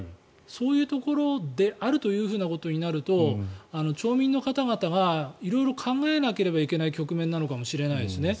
そういうところであるということになると町民の方々が色々考えなければいけない局面なのかもしれないです。